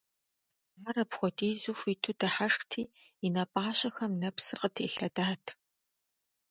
Ар апхуэдизу хуиту дыхьэшхти, и нэ пӀащэхэм нэпсыр къытелъэдат.